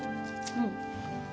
うん。